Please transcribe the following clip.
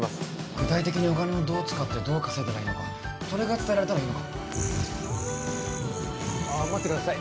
具体的にお金をどう使ってどう稼げばいいのかそれが伝えられたらいいのかも待ってください